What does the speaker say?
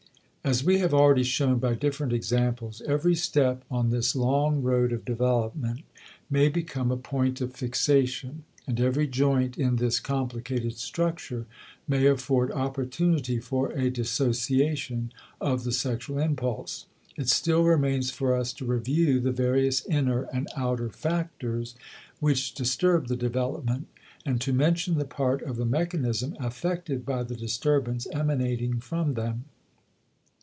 * As we have already shown by different examples, every step on this long road of development may become a point of fixation and every joint in this complicated structure may afford opportunity for a dissociation of the sexual impulse. It still remains for us to review the various inner and outer factors which disturb the development, and to mention the part of the mechanism affected by the disturbance emanating from them.